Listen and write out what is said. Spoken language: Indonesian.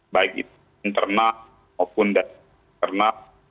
baik internak maupun internak